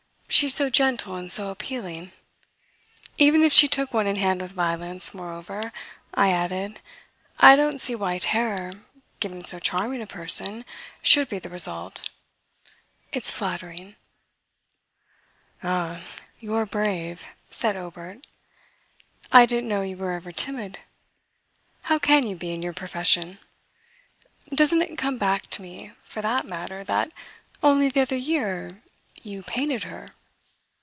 She's so gentle and so appealing. Even if she took one in hand with violence, moreover," I added, "I don't see why terror given so charming a person should be the result. It's flattering." "Ah, you're brave," said Obert. "I didn't know you were ever timid. How can you be, in your profession? Doesn't it come back to me, for that matter, that only the other year you painted her?"